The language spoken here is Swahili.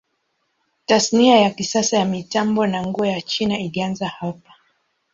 Tasnia ya kisasa ya mitambo na nguo ya China ilianza hapa.